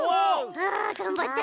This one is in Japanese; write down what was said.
あがんばったち。